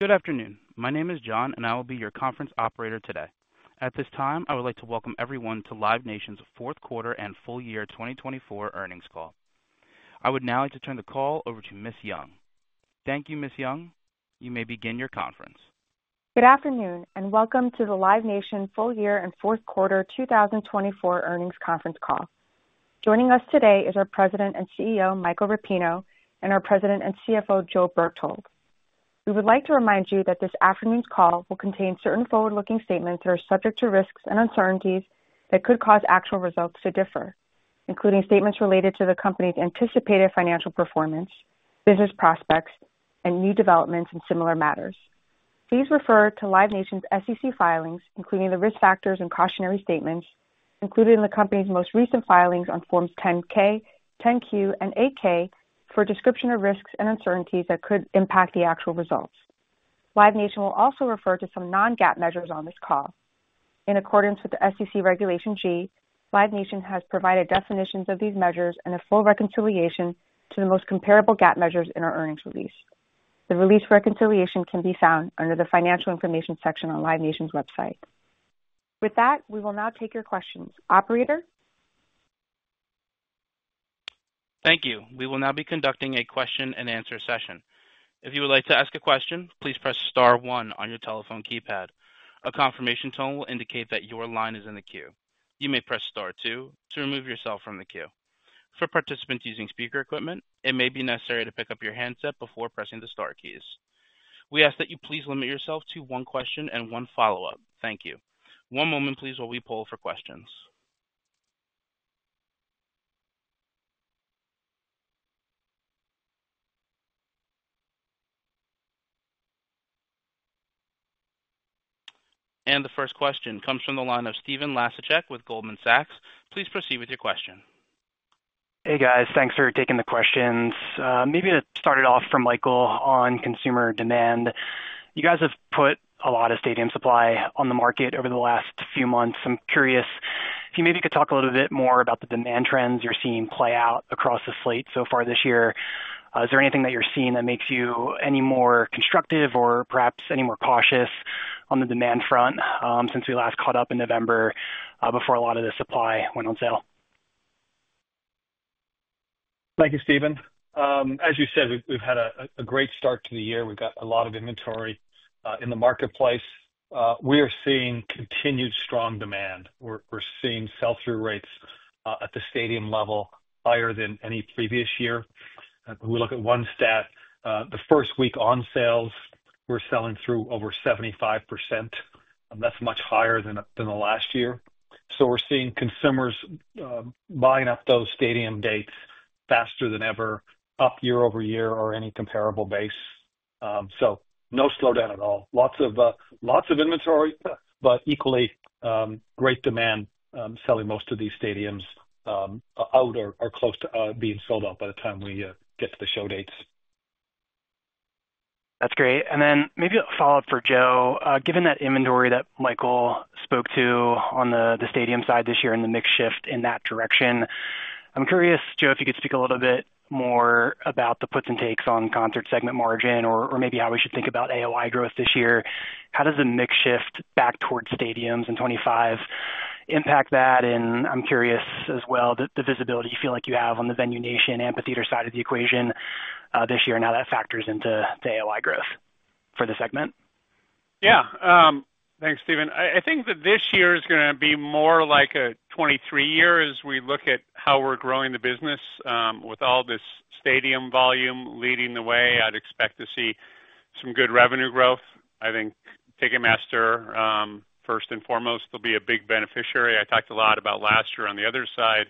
Good afternoon. My name is John, and I will be your conference operator today. At this time, I would like to welcome everyone to Live Nation's fourth quarter and full year 2024 earnings call. I would now like to turn the call over to Ms. Yong. Thank you, Ms. Yong. You may begin your conference. Good afternoon and welcome to the Live Nation full year and fourth quarter 2024 earnings conference call. Joining us today is our President and CEO, Michael Rapino, and our President and CFO, Joe Berchtold. We would like to remind you that this afternoon's call will contain certain forward-looking statements that are subject to risks and uncertainties that could cause actual results to differ, including statements related to the company's anticipated financial performance, business prospects, and new developments in similar matters. Please refer to Live Nation's SEC filings, including the risk factors and cautionary statements, included in the company's most recent filings on Forms 10-K, 10-Q, and 8-K for a description of risks and uncertainties that could impact the actual results. Live Nation will also refer to some non-GAAP measures on this call. In accordance with the SEC Regulation G, Live Nation has provided definitions of these measures and a full reconciliation to the most comparable GAAP measures in our earnings release. The release reconciliation can be found under the Financial Information section on Live Nation's website. With that, we will now take your questions. Operator? Thank you. We will now be conducting a question-and-answer session. If you would like to ask a question, please press Star one on your telephone keypad. A confirmation tone will indicate that your line is in the queue. You may press Star two to remove yourself from the queue. For participants using speaker equipment, it may be necessary to pick up your handset before pressing the Star keys. We ask that you please limit yourself to one question and one follow-up. Thank you. One moment, please, while we poll for questions, and the first question comes from the line of Stephen Laszczyk with Goldman Sachs. Please proceed with your question. Hey, guys. Thanks for taking the questions. Maybe to start it off for Michael on consumer demand, you guys have put a lot of stadium supply on the market over the last few months. I'm curious if you maybe could talk a little bit more about the demand trends you're seeing play out across the slate so far this year. Is there anything that you're seeing that makes you any more constructive or perhaps any more cautious on the demand front since we last caught up in November before a lot of the supply went on sale? Thank you, Stephen. As you said, we've had a great start to the year. We've got a lot of inventory in the marketplace. We are seeing continued strong demand. We're seeing sell-through rates at the stadium level higher than any previous year. We look at one stat. The first week on sales, we're selling through over 75%. That's much higher than the last year. So we're seeing consumers buying up those stadium dates faster than ever, up year-over-year or any comparable base. So no slowdown at all. Lots of inventory, but equally great demand selling most of these stadiums out or close to being sold out by the time we get to the show dates. That's great. And then maybe a follow-up for Joe. Given that inventory that Michael spoke to on the stadium side this year and the mixed shift in that direction, I'm curious, Joe, if you could speak a little bit more about the puts and takes on concert segment margin or maybe how we should think about AOI growth this year. How does the mixed shift back towards stadiums in 2025 impact that? And I'm curious as well the visibility you feel like you have on the Venue Nation amphitheater side of the equation this year and how that factors into AOI growth for the segment. Yeah. Thanks, Stephen. I think that this year is going to be more like a 2023 year as we look at how we're growing the business. With all this stadium volume leading the way, I'd expect to see some good revenue growth. I think Ticketmaster, first and foremost, will be a big beneficiary. I talked a lot about last year on the other side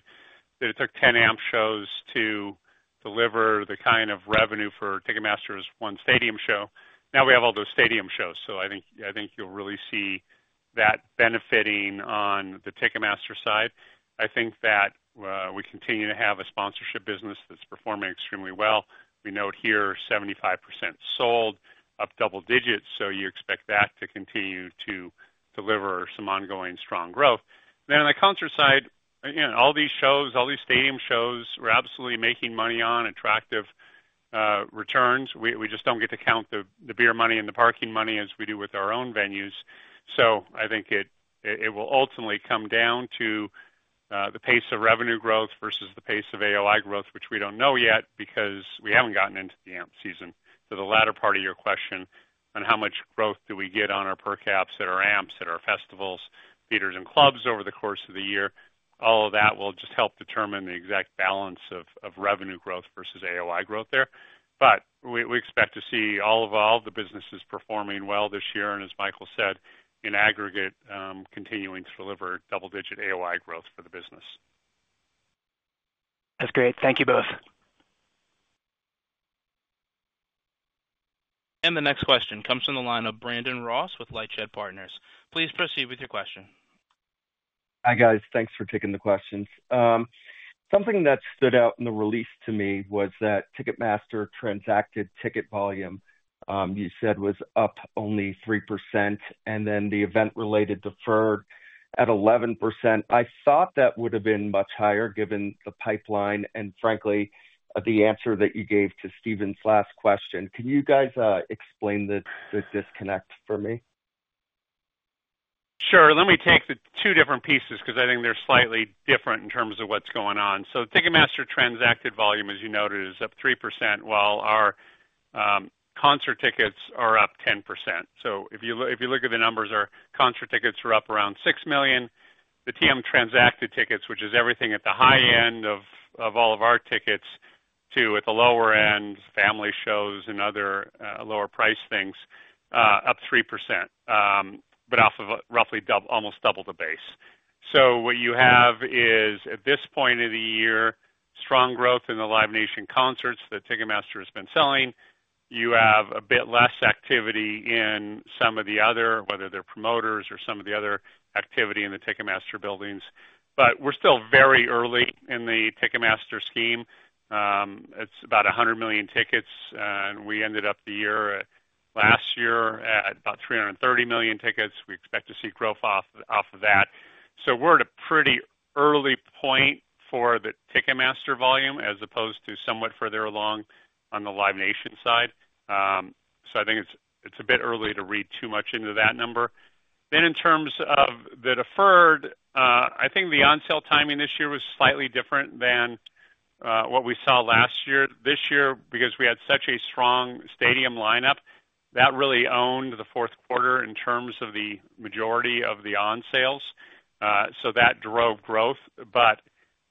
that it took 10 amp shows to deliver the kind of revenue for Ticketmaster's one stadium show. Now we have all those stadium shows, so I think you'll really see that benefiting on the Ticketmaster side. I think that we continue to have a sponsorship business that's performing extremely well. We note here 75% sold, up double digits, so you expect that to continue to deliver some ongoing strong growth. Then, on the concert side, all these shows, all these stadium shows we're absolutely making money on, attractive returns. We just don't get to count the beer money and the parking money as we do with our own venues. So I think it will ultimately come down to the pace of revenue growth versus the pace of AOI growth, which we don't know yet because we haven't gotten into the amp season. To the latter part of your question on how much growth do we get on our per caps at our amps, at our festivals, theaters, and clubs over the course of the year, all of that will just help determine the exact balance of revenue growth versus AOI growth there. But we expect to see all of the businesses performing well this year, and as Michael said, in aggregate, continuing to deliver double-digit AOI growth for the business. That's great. Thank you both. And the next question comes from the line of Brandon Ross with LightShed Partners. Please proceed with your question. Hi, guys. Thanks for taking the questions. Something that stood out in the release to me was that Ticketmaster transacted ticket volume, you said, was up only 3%, and then the event-related deferred at 11%. I thought that would have been much higher given the pipeline and, frankly, the answer that you gave to Stephen's last question. Can you guys explain the disconnect for me? Sure. Let me take the two different pieces because I think they're slightly different in terms of what's going on. So Ticketmaster transacted volume, as you noted, is up 3%, while our concert tickets are up 10%. So if you look at the numbers, our concert tickets are up around 6 million. The TM transacted tickets, which is everything at the high end of all of our tickets to at the lower end, family shows and other lower-priced things, up 3%, but off of roughly almost double the base. So what you have is, at this point of the year, strong growth in the Live Nation concerts that Ticketmaster has been selling. You have a bit less activity in some of the other, whether they're promoters or some of the other activity in the Ticketmaster buildings. But we're still very early in the Ticketmaster scheme. It's about 100 million tickets. We ended up the year last year at about 330 million tickets. We expect to see growth off of that. So we're at a pretty early point for the Ticketmaster volume as opposed to somewhat further along on the Live Nation side. So I think it's a bit early to read too much into that number. Then in terms of the deferred, I think the on-sale timing this year was slightly different than what we saw last year. This year, because we had such a strong stadium lineup, that really owned the fourth quarter in terms of the majority of the on-sales. So that drove growth. But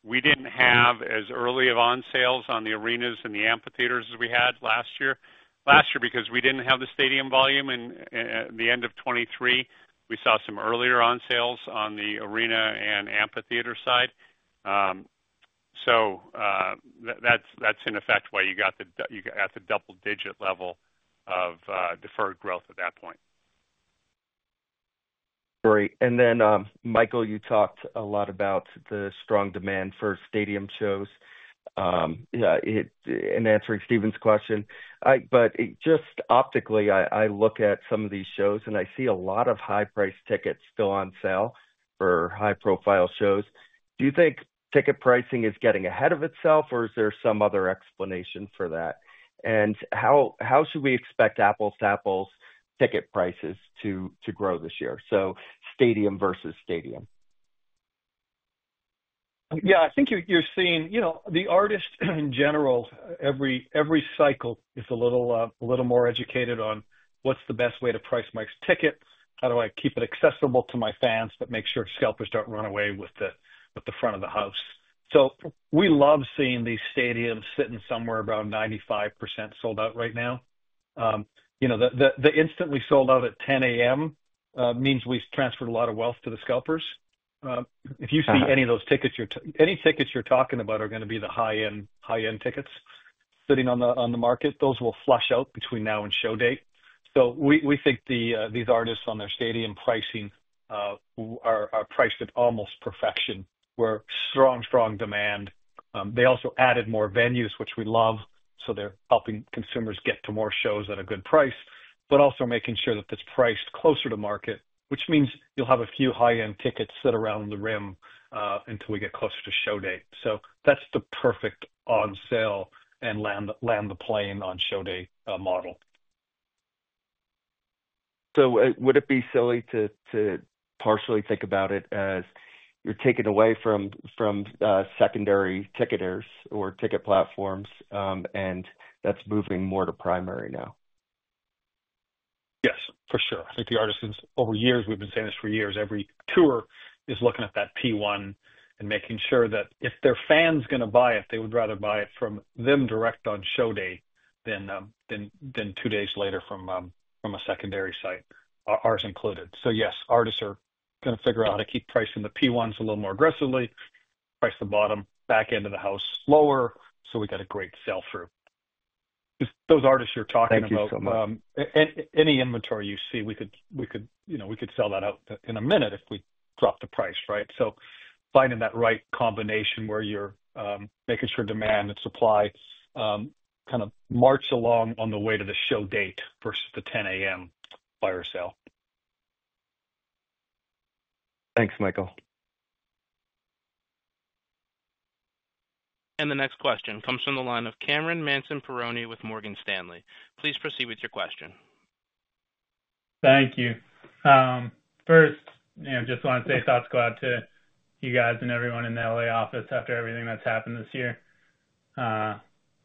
we didn't have as early of on-sales on the arenas and the amphitheaters as we had last year. Last year, because we didn't have the stadium volume in the end of 2023, we saw some earlier on-sales on the arena and amphitheater side. So that's in effect why you got the double-digit level of deferred growth at that point. Great. And then, Michael, you talked a lot about the strong demand for stadium shows. In answering Stephen's question, but just optically, I look at some of these shows and I see a lot of high-priced tickets still on sale for high-profile shows. Do you think ticket pricing is getting ahead of itself, or is there some other explanation for that? And how should we expect apples-to-apples ticket prices to grow this year, so stadium versus stadium? Yeah. I think you're seeing the artist in general, every cycle is a little more educated on what's the best way to price my tickets, how do I keep it accessible to my fans, but make sure scalpers don't run away with the front of the house. So we love seeing these stadiums sitting somewhere around 95% sold out right now. The instant we sold out at 10:00 A.M. means we've transferred a lot of wealth to the scalpers. If you see any of those tickets, any tickets you're talking about are going to be the high-end tickets sitting on the market. Those will flush out between now and show date. So we think these artists on their stadium pricing are priced at almost perfection. We're strong, strong demand. They also added more venues, which we love, so they're helping consumers get to more shows at a good price, but also making sure that it's priced closer to market, which means you'll have a few high-end tickets sit around the rim until we get closer to show date. So that's the perfect on-sale and land the plane on show date model. So would it be silly to partially think about it as you're taking away from secondary ticketers or ticket platforms and that's moving more to primary now? Yes, for sure. I think the artists, over the years, we've been saying this for years, every tour is looking at that P1 and making sure that if their fan's going to buy it, they would rather buy it from them direct on show date than two days later from a secondary site, ours included. So yes, artists are going to figure out how to keep pricing the P1s a little more aggressively, price the bottom, back into the house lower, so we got a great sell-through. Those artists you're talking about. Thank you so much. And any inventory you see, we could sell that out in a minute if we drop the price, right? So finding that right combination where you're making sure demand and supply kind of march along on the way to the show date versus the 10:00 A.M. buyer sale. Thanks, Michael. The next question comes from the line of Cameron Mansson-Perrone with Morgan Stanley. Please proceed with your question. Thank you. First, just want to say thoughts go out to you guys and everyone in the LA office after everything that's happened this year.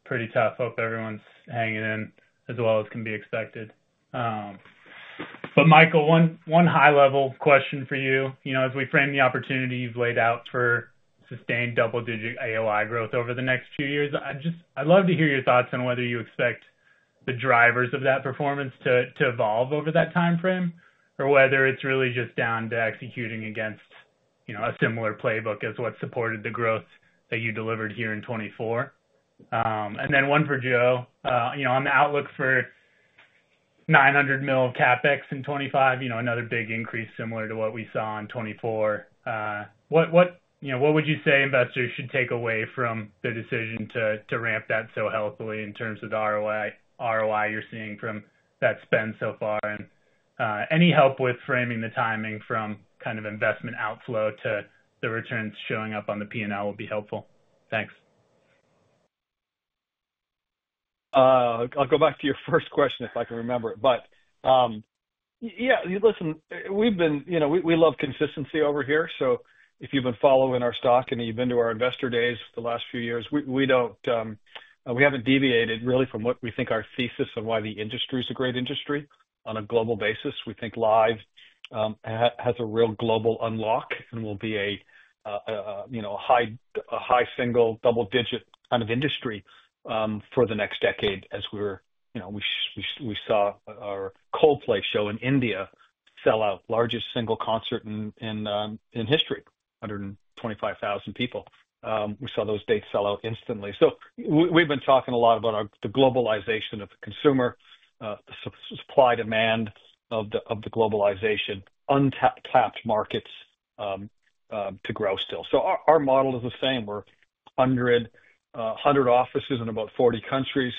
Pretty tough. Hope everyone's hanging in as well as can be expected. But Michael, one high-level question for you. As we frame the opportunity you've laid out for sustained double-digit AOI growth over the next few years, I'd love to hear your thoughts on whether you expect the drivers of that performance to evolve over that timeframe or whether it's really just down to executing against a similar playbook as what supported the growth that you delivered here in 2024. And then one for Joe. On the outlook for $900 million CapEx in 2025, another big increase similar to what we saw in 2024. What would you say investors should take away from the decision to ramp that so healthily in terms of the ROI you're seeing from that spend so far? And any help with framing the timing from kind of investment outflow to the returns showing up on the P&L would be helpful. Thanks. I'll go back to your first question if I can remember it, but yeah, listen, we love consistency over here. So if you've been following our stock and you've been to our investor days the last few years, we haven't deviated really from what we think our thesis of why the industry is a great industry on a global basis. We think live has a real global unlock and will be a high single, double-digit kind of industry for the next decade as we saw our Coldplay show in India sell out, largest single concert in history, 125,000 people. We saw those dates sell out instantly, so we've been talking a lot about the globalization of the consumer, the supply-demand of the globalization, untapped markets to grow still. So our model is the same. have 100 offices in about 40 countries,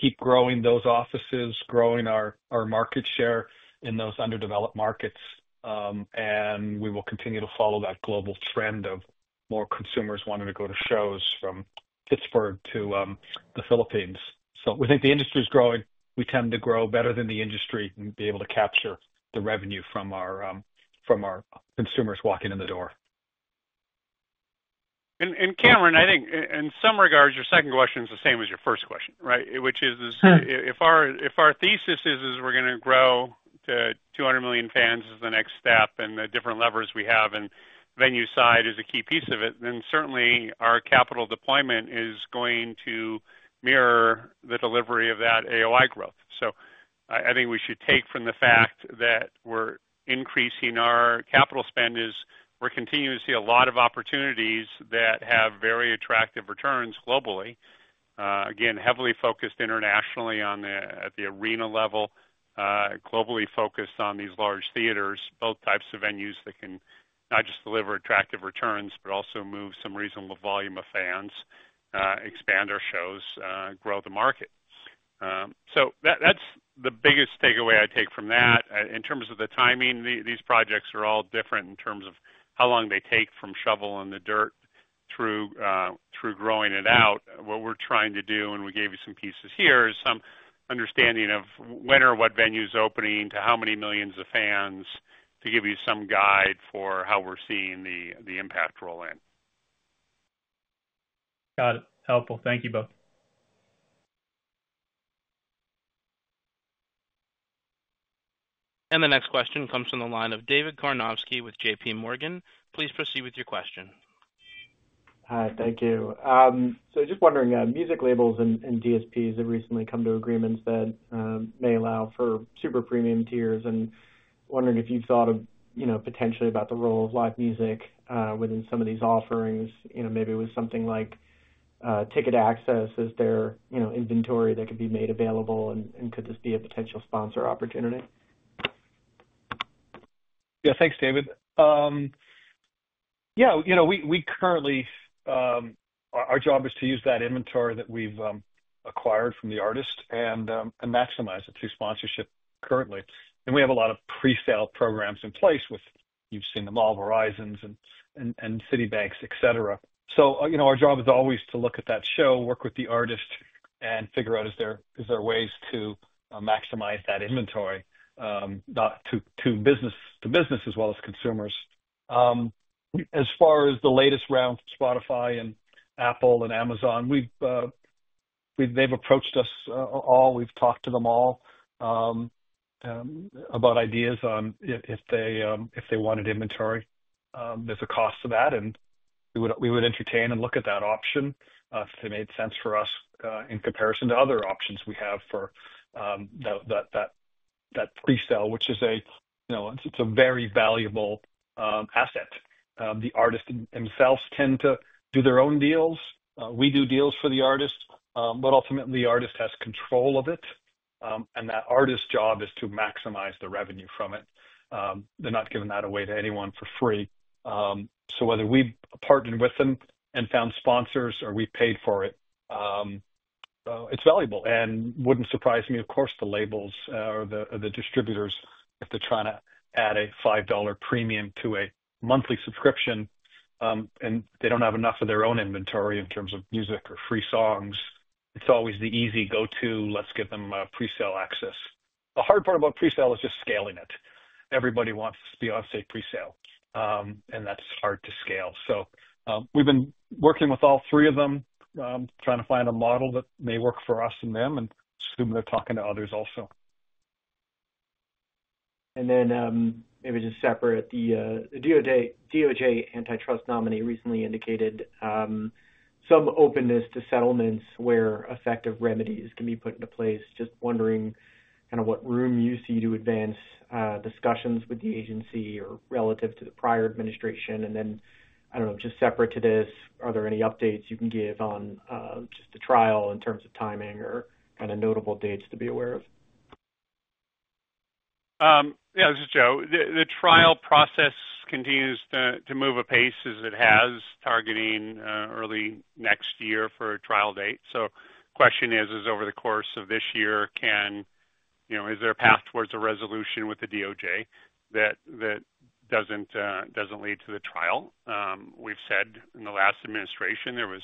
keep growing those offices, growing our market share in those underdeveloped markets, and we will continue to follow that global trend of more consumers wanting to go to shows from Pittsburgh to the Philippines. We think the industry is growing. We tend to grow better than the industry and be able to capture the revenue from our consumers walking in the door. And Cameron, I think in some regards, your second question is the same as your first question, right? Which is if our thesis is we're going to grow to 200 million fans as the next step and the different levers we have in venue side is a key piece of it, then certainly our capital deployment is going to mirror the delivery of that AOI growth. So I think we should take from the fact that we're increasing our capital spend, is we're continuing to see a lot of opportunities that have very attractive returns globally. Again, heavily focused internationally at the arena level, globally focused on these large theaters, both types of venues that can not just deliver attractive returns, but also move some reasonable volume of fans, expand our shows, grow the market. So that's the biggest takeaway I take from that. In terms of the timing, these projects are all different in terms of how long they take from shovel in the dirt through growing it out. What we're trying to do, and we gave you some pieces here, is some understanding of when or what venue is opening to how many millions of fans to give you some guide for how we're seeing the impact roll in. Got it. Helpful. Thank you both. The next question comes from the line of David Karnovsky with J.P. Morgan. Please proceed with your question. Hi, thank you. So just wondering, music labels and DSPs have recently come to agreements that may allow for super premium tiers, and wondering if you've thought potentially about the role of live music within some of these offerings, maybe with something like ticket access. Is there inventory that could be made available, and could this be a potential sponsor opportunity? Yeah, thanks, David. Yeah, we currently, our job is to use that inventory that we've acquired from the artist and maximize it through sponsorship currently. And we have a lot of presale programs in place with, you've seen them, Amex and Citibank's, etc. So our job is always to look at that show, work with the artist, and figure out is there ways to maximize that inventory, not to business as well as consumers. As far as the latest round from Spotify and Apple and Amazon, they've approached us all. We've talked to them all about ideas on if they wanted inventory. There's a cost to that, and we would entertain and look at that option if it made sense for us in comparison to other options we have for that presale, which is a very valuable asset. The artists themselves tend to do their own deals. We do deals for the artists, but ultimately the artist has control of it. And that artist's job is to maximize the revenue from it. They're not giving that away to anyone for free. So whether we partnered with them and found sponsors or we paid for it, it's valuable. And wouldn't surprise me, of course, the labels or the distributors if they're trying to add a $5 premium to a monthly subscription and they don't have enough of their own inventory in terms of music or free songs, it's always the easy go-to. Let's give them presale access. The hard part about presale is just scaling it. Everybody wants to be on a safe presale, and that's hard to scale. So we've been working with all three of them, trying to find a model that may work for us and them and assume they're talking to others also. And then maybe just separate, the DOJ antitrust nominee recently indicated some openness to settlements where effective remedies can be put into place. Just wondering kind of what room you see to advance discussions with the agency relative to the prior administration? And then, I don't know, just separate to this, are there any updates you can give on just the trial in terms of timing or kind of notable dates to be aware of? Yeah, this is Joe. The trial process continues to move at a pace as it has, targeting early next year for a trial date. So the question is, over the course of this year, is there a path towards a resolution with the DOJ that doesn't lead to the trial? We've said in the last administration, there was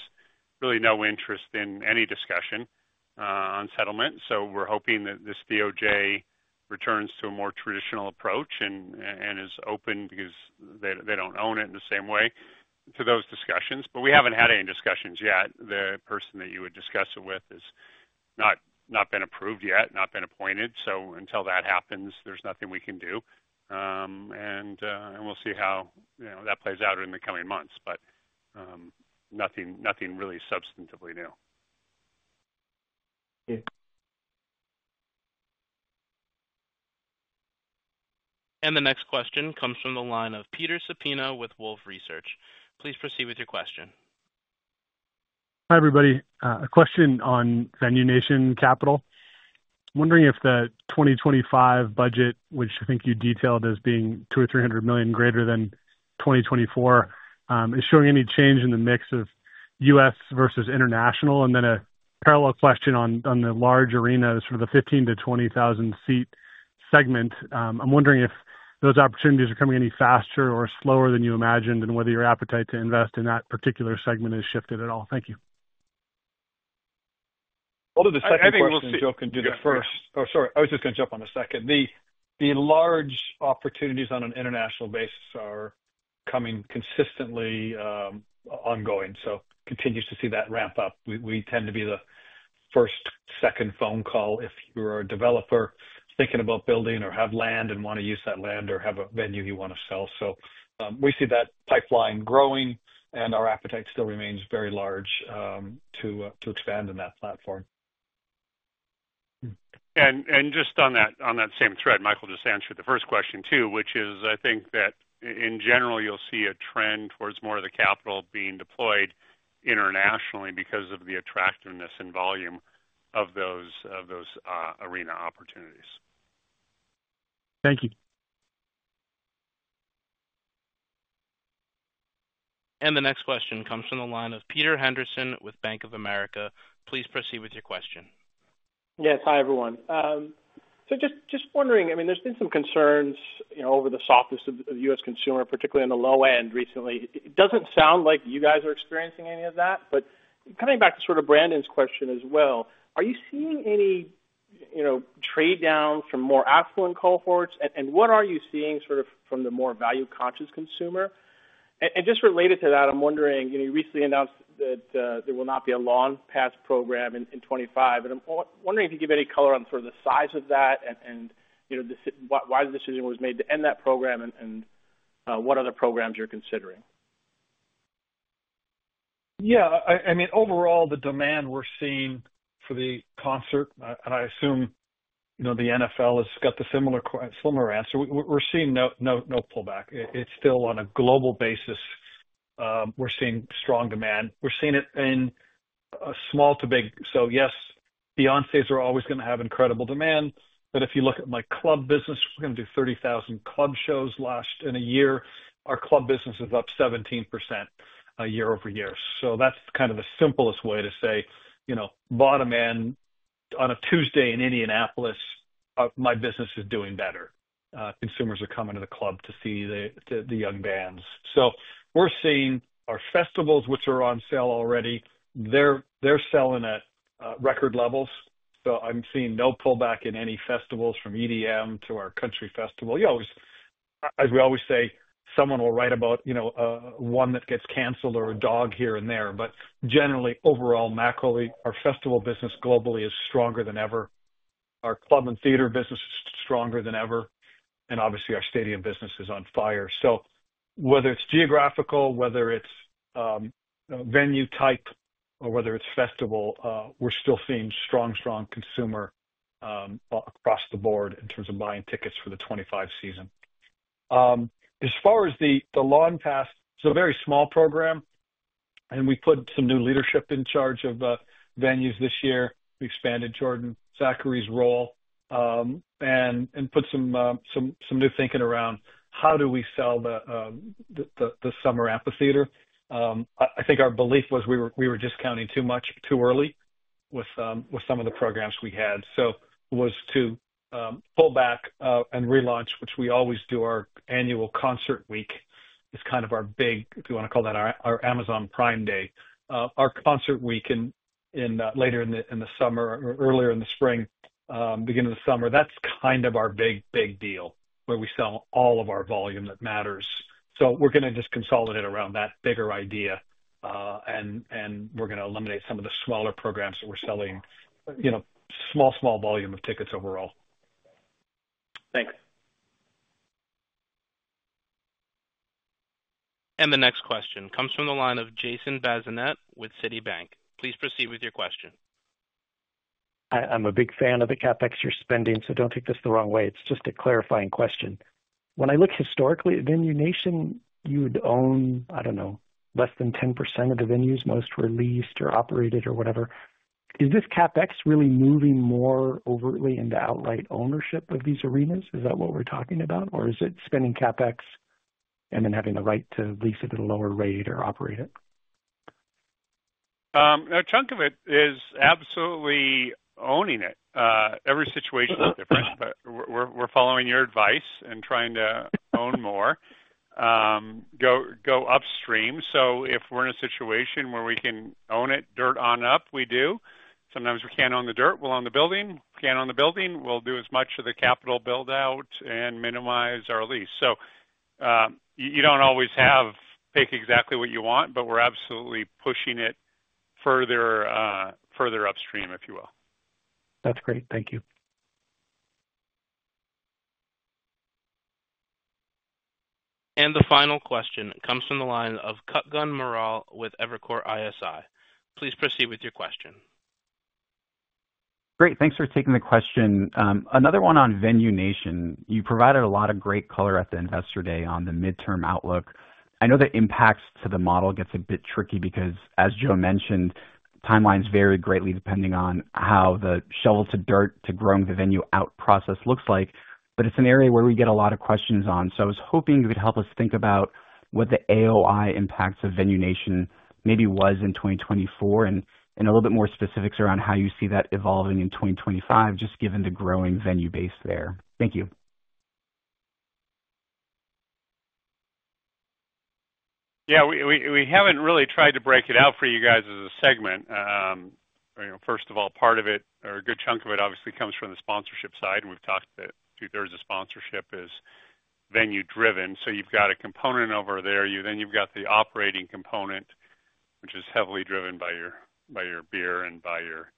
really no interest in any discussion on settlement. So we're hoping that this DOJ returns to a more traditional approach and is open because they don't own it in the same way to those discussions. But we haven't had any discussions yet. The person that you would discuss it with has not been approved yet, not been appointed. So until that happens, there's nothing we can do. And we'll see how that plays out in the coming months, but nothing really substantively new. Thank you. The next question comes from the line of Peter Supino with Wolfe Research. Please proceed with your question. Hi everybody. A question on Venue Nation CapEx. Wondering if the 2025 budget, which I think you detailed as being $200 million or $300 million greater than 2024, is showing any change in the mix of U.S. versus international? And then a parallel question on the large arena, sort of the 15,000- to 20,000-seat segment. I'm wondering if those opportunities are coming any faster or slower than you imagined and whether your appetite to invest in that particular segment has shifted at all. Thank you. Well, the second question that Joe can do the first. Oh, sorry. I was just going to jump on the second. The large opportunities on an international basis are coming consistently ongoing. So continues to see that ramp up. We tend to be the first, second phone call if you're a developer thinking about building or have land and want to use that land or have a venue you want to sell. So we see that pipeline growing and our appetite still remains very large to expand in that platform. And just on that same thread, Michael just answered the first question too, which is, I think, that in general, you'll see a trend towards more of the capital being deployed internationally because of the attractiveness and volume of those arena opportunities. Thank you. The next question comes from the line of Peter Henderson with Bank of America. Please proceed with your question. Yes, hi everyone. So just wondering, I mean, there's been some concerns over the softness of U.S. consumer, particularly on the low end recently. It doesn't sound like you guys are experiencing any of that, but coming back to sort of Brandon's question as well, are you seeing any trade down from more affluent cohorts? And what are you seeing sort of from the more value-conscious consumer? And just related to that, I'm wondering, you recently announced that there will not be a Lawn Pass program in 2025. And I'm wondering if you could give any color on sort of the size of that and why the decision was made to end that program and what other programs you're considering. Yeah, I mean, overall, the demand we're seeing for the concert, and I assume the NFL has got the similar answer. We're seeing no pullback. It's still on a global basis. We're seeing strong demand. We're seeing it in a small to big. So yes, Beyoncés are always going to have incredible demand. But if you look at my club business, we're going to do 30,000 club shows last year. Our club business is up 17% year-over-year. So that's kind of the simplest way to say, bottom end, on a Tuesday in Indianapolis, my business is doing better. Consumers are coming to the club to see the young bands. So we're seeing our festivals, which are on sale already, they're selling at record levels. So I'm seeing no pullback in any festivals from EDM to our country festival. As we always say, someone will write about one that gets canceled or a dog here and there, but generally, overall, macroly, our festival business globally is stronger than ever. Our club and theater business is stronger than ever, and obviously, our stadium business is on fire, so whether it's geographical, whether it's venue type, or whether it's festival, we're still seeing strong, strong consumer across the board in terms of buying tickets for the 2025 season. As far as the Lawn Pass, it's a very small program, and we put some new leadership in charge of venues this year. We expanded Jordan Zachary's role and put some new thinking around how do we sell the summer amphitheater. I think our belief was we were discounting too much too early with some of the programs we had. It was to pull back and relaunch, which we always do our annual concert week. It's kind of our big, if you want to call that our Amazon Prime Day. Our Concert Week later in the summer or earlier in the spring, beginning of the summer, that's kind of our big, big deal where we sell all of our volume that matters. We're going to just consolidate around that bigger idea. We're going to eliminate some of the smaller programs that we're selling, small volume of tickets overall. Thanks. The next question comes from the line of Jason Bazinet with Citibank. Please proceed with your question. I'm a big fan of the CapEx you're spending, so don't take this the wrong way. It's just a clarifying question. When I look historically, Venue Nation, you would own, I don't know, less than 10% of the venues you mostly lease or operate or whatever. Is this CapEx really moving more overtly into outright ownership of these arenas? Is that what we're talking about? Or is it spending CapEx and then having the right to lease it at a lower rate or operate it? A chunk of it is absolutely owning it. Every situation is different, but we're following your advice and trying to own more, go upstream. So if we're in a situation where we can own it from the dirt up, we do. Sometimes we can't own the dirt. We'll own the building. We can't own the building. We'll do as much of the capital build out and minimize our lease. So you don't always have to pick exactly what you want, but we're absolutely pushing it further upstream, if you will. That's great. Thank you. The final question comes from the line of Kutgun Maral with Evercore ISI. Please proceed with your question. Great. Thanks for taking the question. Another one on Venue Nation. You provided a lot of great color at the investor day on the midterm outlook. I know that impacts to the model get a bit tricky because, as Joe mentioned, timelines vary greatly depending on how the shovel to dirt to growing the venue out process looks like. But it's an area where we get a lot of questions on. So I was hoping you could help us think about what the AOI impacts of Venue Nation maybe was in 2024 and a little bit more specifics around how you see that evolving in 2025, just given the growing venue base there? Thank you. Yeah, we haven't really tried to break it out for you guys as a segment. First of all, part of it, or a good chunk of it, obviously comes from the sponsorship side. And we've talked that two-thirds of sponsorship is venue-driven. So you've got a component over there. Then you've got the operating component, which is heavily driven by your beer and by your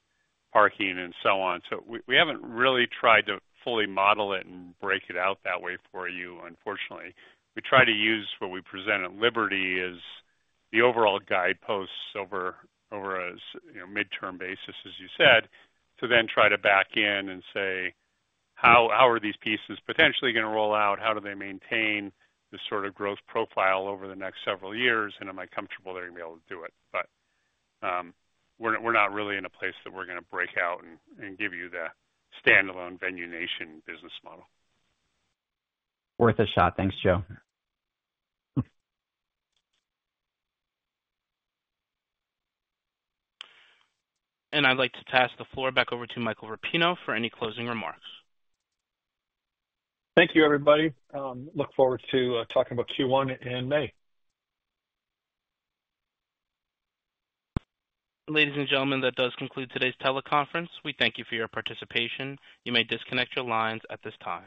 parking and so on. So we haven't really tried to fully model it and break it out that way for you, unfortunately. We try to use what we present at Liberty as the overall guideposts over a midterm basis, as you said, to then try to back in and say, how are these pieces potentially going to roll out? How do they maintain this sort of growth profile over the next several years? And am I comfortable that I'm able to do it? But we're not really in a place that we're going to break out and give you the standalone Venue Nation business model. Worth a shot. Thanks, Joe. I'd like to pass the floor back over to Michael Rapino for any closing remarks. Thank you, everybody. Look forward to talking about Q1 in May. Ladies and gentlemen, that does conclude today's teleconference. We thank you for your participation. You may disconnect your lines at this time.